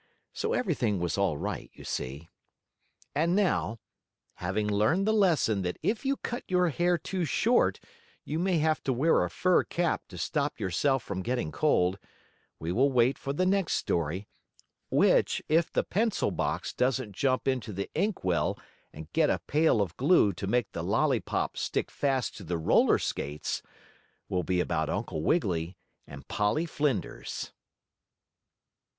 So everything was all right, you see. And now, having learned the lesson that if you cut your hair too short you may have to wear a fur cap to stop yourself from getting cold, we will wait for the next story, which, if the pencil box doesn't jump into the ink well and get a pail of glue to make the lollypop stick fast to the roller skates, will be about Uncle Wiggily and Polly Flinders.